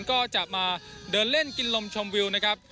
ก็จะมาเดินเล่นกินลมชมวิวนะครับ